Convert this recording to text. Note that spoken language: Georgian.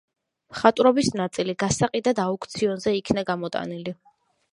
მხატვრობის ნაწილი გასაყიდად აუქციონზე იქნა გამოტანილი.